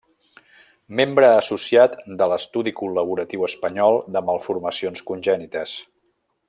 Membre associat de l'Estudi Col·laboratiu Espanyol de Malformacions Congènites.